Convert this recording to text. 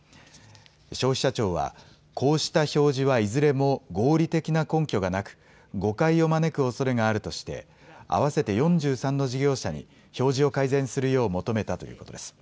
消費者庁はこうした表示はいずれも合理的な根拠がなく誤解を招くおそれがあるとして合わせて４３の事業者に表示を改善するよう求めたということです。